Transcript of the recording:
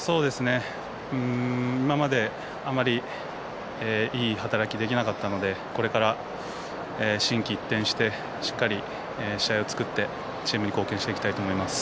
今まであまりいい働きできなかったのでこれから、心機一転してしっかり試合を作ってチームに貢献していきたいと思います。